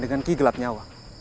dengan ki gelap nyawa